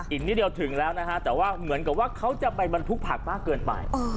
อีกนิดเดียวถึงแล้วเหมือนว่าเขาจะไปบรรทุกผักมากเกินไป